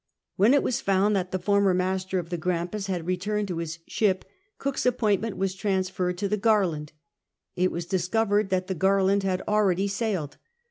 When it Avas found that the former master of the Grampus had re turned to his ship. Cook's appointment Avas transferred to the Garland. It aa'us discovered that the Garhnd had already sailed.